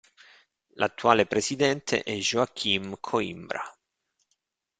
L'attuale presidente è Joaquim Coimbra.